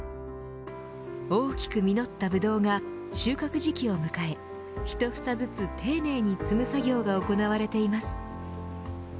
大きく実ったブドウが収穫時期を迎えひと房ずつ丁寧に摘む作業が行われています。